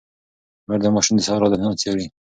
مور د ماشوم د سهار عادتونه څاري.